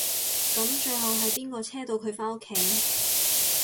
噉最後係邊個車到佢返屋企？